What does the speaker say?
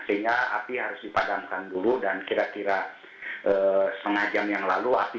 sehingga api harus dipadamkan dulu dan kira kira setengah jam yang lalu api